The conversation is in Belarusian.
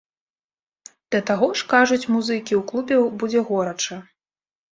Да таго ж, кажуць музыкі, у клубе будзе горача!